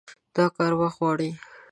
دا کار وخت غواړي.